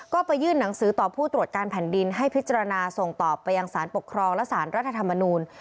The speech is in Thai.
ก็ไปยื่นหนังสือต่อผู้ตรวจการแผ่นดินให้พิจารณาส่งต่อไปยังสารปกครองและสารรัฐธรรมนูล